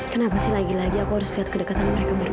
kenapa sih lagi lagi aku harus lihat kedekatan mereka berdua